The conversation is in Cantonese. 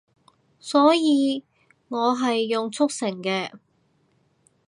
所以我係用速成嘅